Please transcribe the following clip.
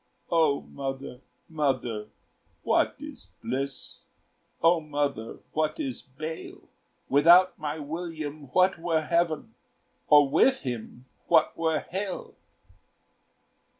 "O mother, mother, what is bliss? O mother, what is bale? Without my William what were heaven, Or with him what were hell?"